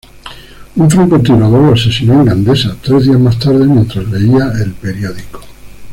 Un francotirador lo asesinó en Gandesa tres días más tarde, mientras leía el periódico.